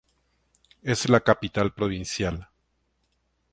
Es la capital provincial.